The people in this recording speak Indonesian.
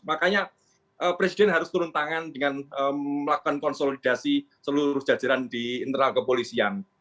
makanya presiden harus turun tangan dengan melakukan konsolidasi seluruh jajaran di internal kepolisian